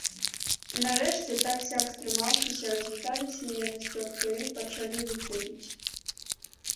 Нарэшце, так-сяк стрымаўшыся, развіталася яна з цёткаю, і пачалі выходзіць.